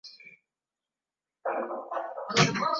kuwa asilimia ndogo hasa kufikia mwisho wa karne